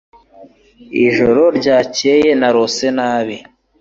Ijoro ryakeye narose nabi.